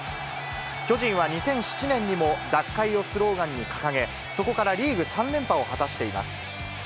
巨人は２００７年にも奪回をスローガンに掲げ、そこからリーグ３連覇を果たしています。